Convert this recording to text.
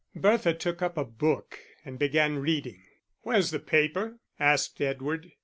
Bertha took up a book and began reading. "Where's the paper?" asked Edward.